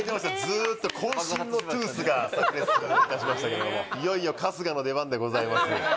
ずっと渾身のトゥースが炸裂しましたけどもいよいよ春日の出番でございます